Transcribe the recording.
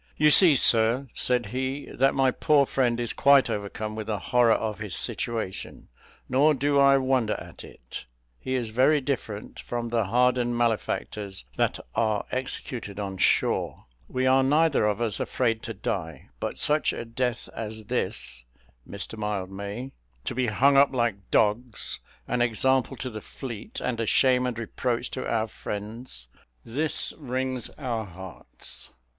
"You see, sir," said he, "that my poor friend is quite overcome with the horror of his situation: nor do I wonder at it. He is very different from the hardened malefactors that are executed on shore: we are neither of us afraid to die; but such a death as this, Mr Mildmay to be hung up like dogs, an example to the fleet, and a shame and reproach to our friends this wrings our hearts!